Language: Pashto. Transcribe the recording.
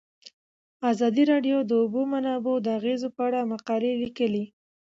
ازادي راډیو د د اوبو منابع د اغیزو په اړه مقالو لیکلي.